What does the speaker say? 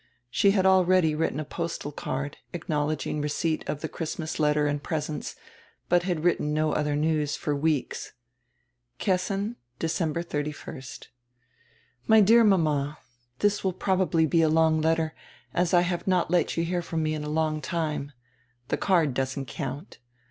She had already written a postal card, acknowledging receipt of die Christmas letter and presents, but had written no odier news for weeks. Kessin, Dec. 31. My deal' mama: This will probably be a long letter, as I have not let you hear from me for a long time. The card doesn't count.